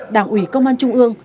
đảng ủy công an trung ương